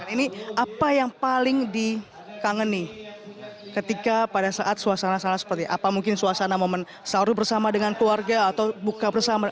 ini apa yang paling dikangeni ketika pada saat suasana seperti apa mungkin suasana momen sahur bersama dengan keluarga atau buka bersama